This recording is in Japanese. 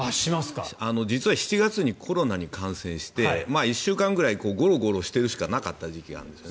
実は７月にコロナに感染して１週間ぐらいゴロゴロしてるしかなかった時期があるんです。